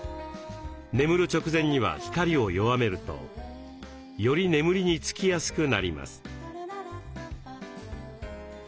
眠る直前には光を弱めるとより眠りにつきやすくなります。